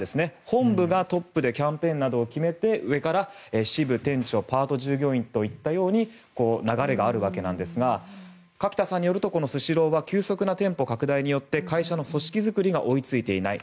本部がトップでキャンペーンなどを決めて上から支部、店長パート従業員といったような流れがあるわけなんですが垣田さんによるとこのスシローは急速な店舗拡大によって会社の組織作りが追いついていない。